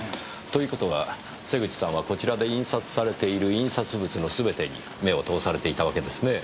という事は瀬口さんはこちらで印刷されている印刷物のすべてに目を通されていたわけですね。